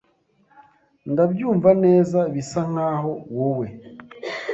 Ndabyumva neza bisa nkaho wowe